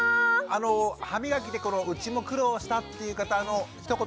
歯みがきでうちも苦労したっていう方ひと言